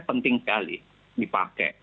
penting sekali dipakai